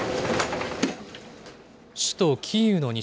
首都キーウの西